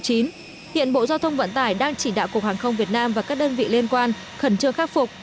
hiện bộ giao thông vận tải đang chỉ đạo cục hàng không việt nam và các đơn vị liên quan khẩn trương khắc phục